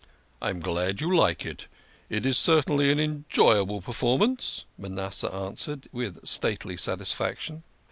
" I am glad you like it. It is certainly an enjoyable per formance," Manasseh answered with stately satisfaction.